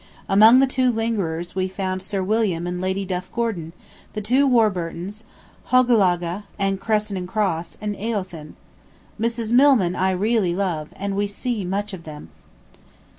Among the lingerers we found Sir William and Lady Duff Gordon, the two Warburtons, "Hochelaga" and "Crescent and Cross," and "Eothen." Mrs. Milman I really love, and we see much of them.